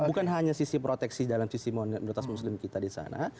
bukan hanya sisi proteksi dalam sisi monoritas muslim kita di sana